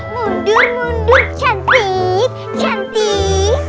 mundur mundur cantik cantik